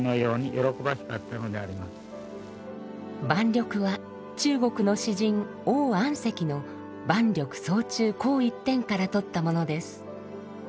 「萬緑」は中国の詩人王安石の「萬緑叢中紅一点」から取ったものです。